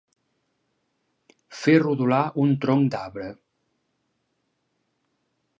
Fer rodolar un tronc d'arbre.